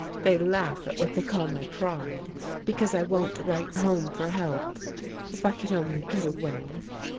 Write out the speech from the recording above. They laugh at what they call my pride because I won't write home for help. If I could only get away!